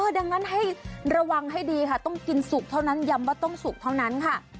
ดังนั้นให้ระวังให้ดีค่ะต้องกินสุกเท่านั้นย้ำว่าต้องสุกเท่านั้นค่ะ